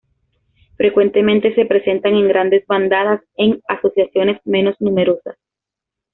Frecuentemente se presenta en grandes bandadas, en asociaciones menos numerosas.